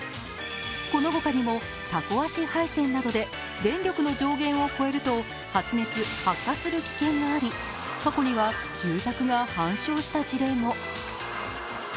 このほかにも、たこ足配線などで電力の上限を超えると発熱・発火する危険があり過去には住宅が半焼した事例も。